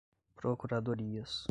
procuradorias